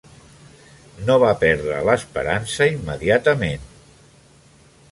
No va perdre l'esperança immediatament.